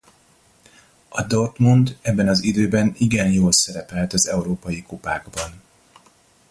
A Dortmund ebben az időben igen jól szerepelt az európai kupákban.